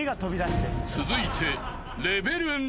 ［続いて］